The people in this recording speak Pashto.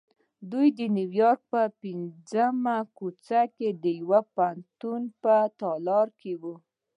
دوی د نیویارک د پنځمې کوڅې د یوه پوهنتون په تالار کې وو